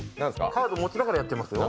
カード持ちながらやってますよ。